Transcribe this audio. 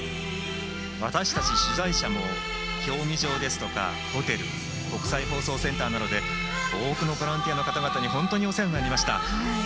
私たち取材者も競技場ですとか、ホテル国際放送センターなどで多くのボランティアの方々に本当にお世話になりました。